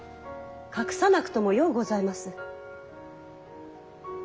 隠さなくともようございます。